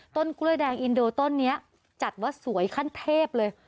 ต้นกล้วยแดงอินโดต้นนี้จัดว่าสวยขั้นเทพเลย